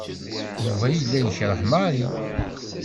Yuba yella yekreh Mary.